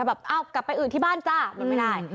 แบบเอ้ากลับไปอื่นที่บ้านจ้ามันไม่ได้